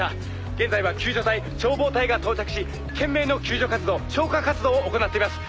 「現在は救助隊消防隊が到着し懸命の救助活動消火活動を行っています」